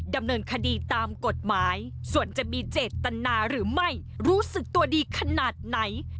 ดำเนินคดีตามกฎหมายส่วนจะมีเจตนาหรือไม่รู้สึกตัวดีขนาดไหน